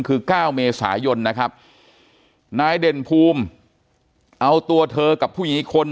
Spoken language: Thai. คือ๙เมษายนนะครับนายเด่นภูมิเอาตัวเธอกับผู้หญิงอีกคน